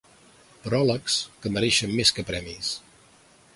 Pròlegs que mereixen més que premis.